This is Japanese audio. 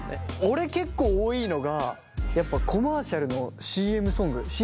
俺結構多いのがやっぱコマーシャルのＣＭソングで。